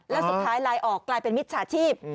และสุดท้ายไลน์ออกกลายเป็นมิดฉาธิป